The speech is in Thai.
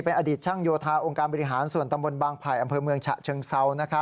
เป็นอดีตช่างโยธาองค์การบริหารส่วนตำบลบางไผ่อำเภอเมืองฉะเชิงเซา